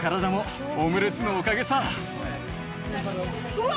うわ！